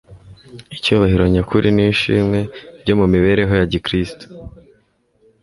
Icyubahiro nyakuri n'ishimwe byo mu mibereho ya gikristo,